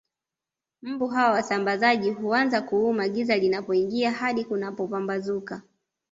Mbu hawa wasambazaji huanza kuuma giza linapoingia hadi kunapopambazuka